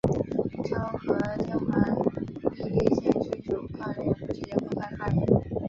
昭和天皇依立宪君主惯例不直接公开发言。